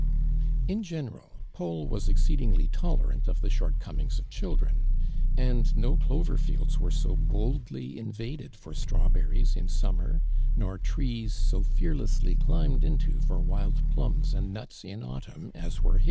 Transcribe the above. In geiiei al, Paul was e.xceedingly tolerant of the shortcomings of children, and no clover fields were so boldly invaded for strawberries in summer, nor trees so fear lessly climbed into for wild ulums and nuts in autumn us were hi